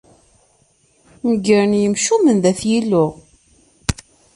Neggren yimcumen dat Yillu.